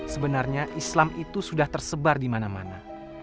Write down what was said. sebenarnya islam itu sudah tersebar di mana mana